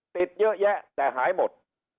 ติดเยอะแยะแต่หายหมด